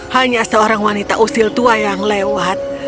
hanya seorang wanita usil tua yang lewat